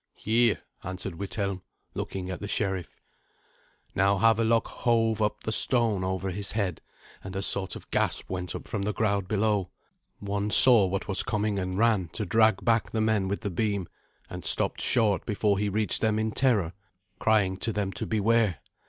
"Here," answered Withelm, looking at the sheriff. Now Havelok hove up the stone over his head, and a sort of gasp went up from the crowd below. One saw what was coming, and ran to drag back the men with the beam, and stopped short before he reached them in terror, crying to them to beware.